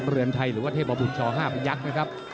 เรือนไทยหรือว่าเทพบุรรณชอห้าประยักษ์นะครับ